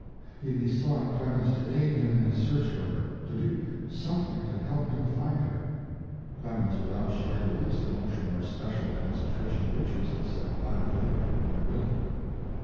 He besought Clemens to aid him in his search for her, to do something to help him find her. Clemens, without showing the least emotion or special concentration of interest, said quietly: "I will."